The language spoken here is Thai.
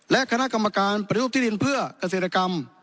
และคณะกรรมการปฏิรูปที่ดินเพื่อเกษตรกรรม